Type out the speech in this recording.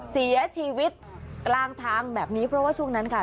เสียชีวิตกลางทางแบบนี้เพราะว่าช่วงนั้นค่ะ